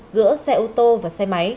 giữa xe ô tô và xe máy